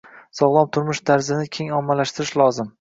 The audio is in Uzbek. Sog‘lom turmush tarzini keng ommalashtirish lozim.